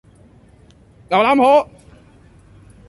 牛腩河